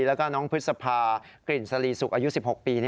แล้วก็น้องพฤษภากลิ่นสลีสุกอายุ๑๖ปี